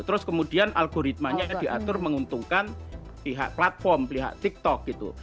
terus kemudian algoritmanya diatur menguntungkan pihak platform pihak tiktok gitu